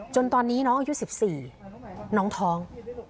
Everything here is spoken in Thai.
จนตอนนี้น้องอายุ๑๔น้องท้อง